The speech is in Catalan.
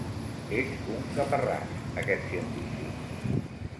És un caparràs, aquest científic.